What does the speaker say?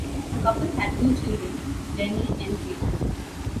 The couple had two children, Jennie and Kate.